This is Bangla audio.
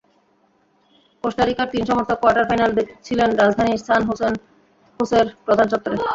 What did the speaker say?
কোস্টারিকার তিন সমর্থক কোয়ার্টার ফাইনাল দেখছিলেন রাজধানী সান হোসের প্রধান চত্বরে।